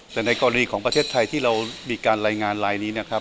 แต่ในกรณีของประเทศไทยที่เรามีการรายงานลายนี้นะครับ